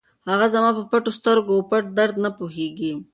هغه زما په پټو سترګو او پټ درد نه پوهېږي.